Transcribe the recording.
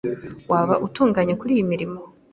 Waba utunganye kuriyi mirimo.